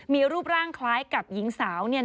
มีรูปร่างคล้ายกับหญิงสาว